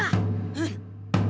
うん！